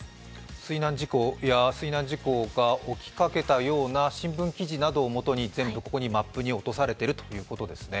水難事故や、水難事故が起きかけたような新聞記事を全部ここのマップに落とされているということですね。